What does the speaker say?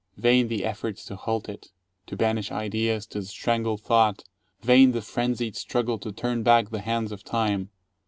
Vain the efforts to halt it, to banish ideas, to strangle thought. Vain the frenzied struggle to turn back the hands of Time.